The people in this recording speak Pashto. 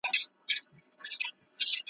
ستا له نوم سره گنډلي ورځي شپې دي .